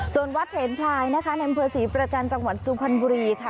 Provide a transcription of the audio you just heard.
ส่วนวัดเถนพลายนะคะในอำเภอศรีประจันทร์จังหวัดสุพรรณบุรีค่ะ